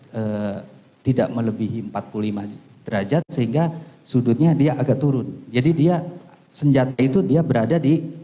dia tidak melebihi empat puluh lima derajat sehingga sudutnya dia agak turun jadi dia senjata itu dia berada di